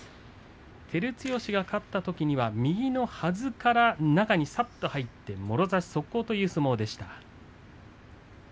照強が勝ったときには右のはずから中にさっと入ってもろ差し速攻という相撲でした。